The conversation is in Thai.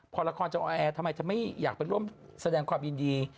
พอละครจะออแอร์ทำไมจะไม่อยากไปร่วมแสดงความยินดี